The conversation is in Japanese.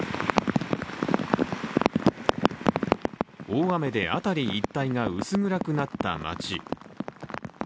大雨で辺り一帯が薄暗くなった町。